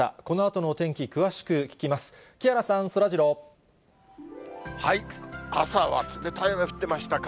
このあとのお天気、詳しく聞きます。